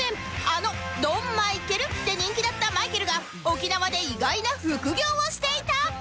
あの「どんマイケル」で人気だったまいけるが沖縄で意外な副業をしていた